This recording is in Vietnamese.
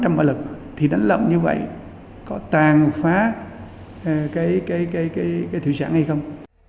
tám trăm linh mạ lực thì đánh lộng như vậy có tàn phá cái thực trạng hay không